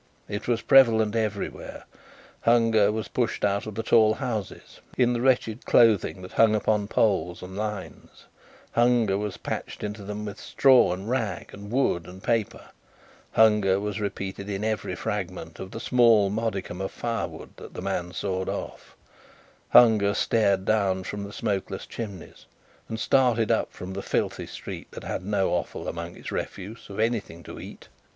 It was prevalent everywhere. Hunger was pushed out of the tall houses, in the wretched clothing that hung upon poles and lines; Hunger was patched into them with straw and rag and wood and paper; Hunger was repeated in every fragment of the small modicum of firewood that the man sawed off; Hunger stared down from the smokeless chimneys, and started up from the filthy street that had no offal, among its refuse, of anything to eat.